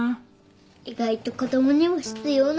意外と子供にも必要なんだよ。